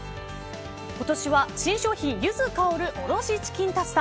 今年は新商品ゆず香るおろしチキンタツタ